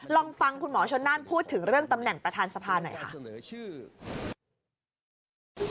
ลองฟังคุณหมอชนน่านพูดถึงเรื่องตำแหน่งประธานสภาหน่อยค่ะเสนอชื่อ